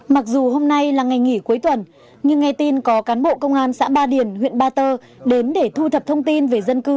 mặc dù hôm nay là ngày nghỉ cuối tuần nhưng ngay tin có cán bộ công an xã ba điền huyện ba tơ đến để thu thập thông tin về dân cư